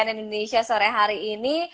cnn indonesia sore hari ini